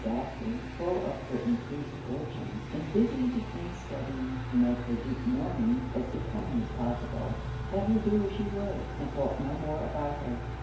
Ashwood, full of her increased fortune, and busied in studying to make her deep mourning as becoming as possible, let her do as she would, and thought no more about her.